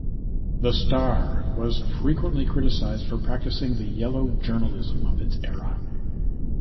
The "Star" was frequently criticized for practising the yellow journalism of its era.